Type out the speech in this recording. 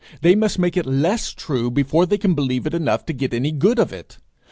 They must make it less true before they can believe it enough to get any good of it.